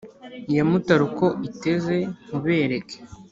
iya mutara uko iteze nkubereke